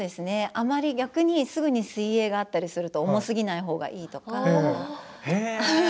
逆にすぐに水泳があったりすると重すぎないほうがいいとか。